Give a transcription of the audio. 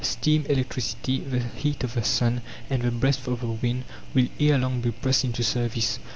Steam, electricity, the heat of the sun, and the breath of the wind, will ere long be pressed into service.